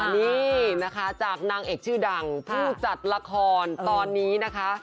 นี่นะคะจากนางเอกชื่อดังผู้จัดละครตอนนี้นะคะ